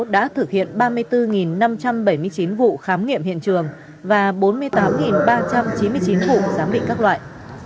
đã thực hiện ba mươi bốn năm trăm bảy mươi chín vụ khám nghiệm hiện trường và bốn mươi tám ba trăm chín mươi chín vụ giám định các loại